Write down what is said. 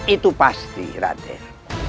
itu pasti raden